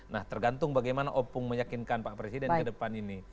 nah tergantung bagaimana opung meyakinkan pak presiden ke depan ini